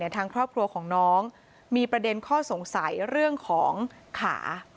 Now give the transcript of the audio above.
ทางครอบครัวของน้องมีประเด็นข้อสงสัยเรื่องของขา